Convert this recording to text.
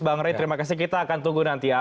bang ray terima kasih kita akan tunggu nanti ya